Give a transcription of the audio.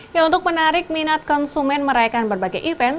ya untuk menarik minat konsumen merayakan berbagai event